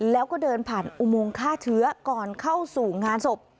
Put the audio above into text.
แล้วก็เดินผ่านอุโมงฆ่าเชื้อก่อนเข้าสู่งานศพ